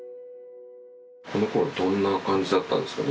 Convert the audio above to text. このころどんな感じだったんですか？